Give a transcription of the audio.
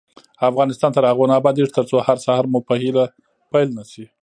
افغانستان تر هغو نه ابادیږي، ترڅو هر سهار مو په هیله پیل نشي.